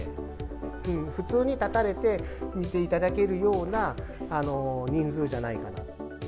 普通に立たれて、見ていただけるような人数じゃないかなと。